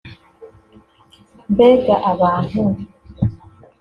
Mbega abantu